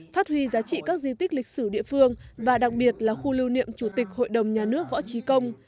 phát huy giá trị các di tích lịch sử địa phương và đặc biệt là khu lưu niệm chủ tịch hội đồng nhà nước võ trí công